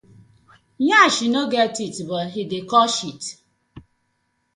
Yansh no get teeth but e dey cut shit: